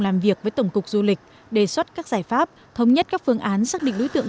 làm việc với tổng cục du lịch đề xuất các giải pháp thống nhất các phương án xác định đối tượng